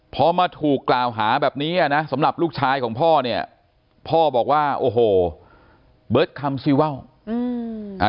พอมาถูกกล่าวหาแบบนี้สำหรับลูกชายของพ่อพ่อบอกว่าโอ้โหเบิร์ดคำซิว่าว